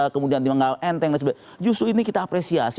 kemudian tidak enteng justru ini kita apresiasi